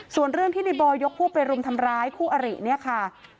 ส่วนเรื่องที่ในบอยยกพวกไปรุมทำร้ายคู่อริเนี่ยค่ะ